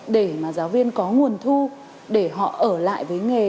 để mà giáo viên có nguồn thu để họ ở lại với nghề